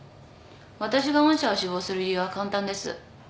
私が御社を志望する理由は簡単です。